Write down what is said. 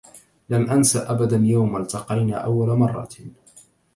لن أنسى أبداً يوم التقينا أول مرة.